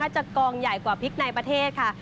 จะกองใหญ่กว่าพริกในประเทศค่ะ